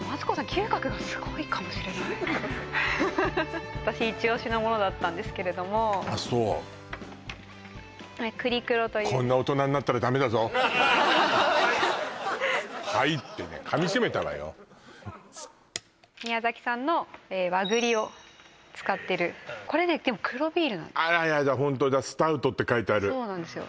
嗅覚がすごいかもしれないフフフフッなものだったんですけれどもあっそう栗黒というこんな大人になったらダメだぞ「はい」ってね噛みしめたわよ宮崎産の和栗を使ってるこれね黒ビールなんですあらヤダホントだスタウトって書いてあるそうなんですよ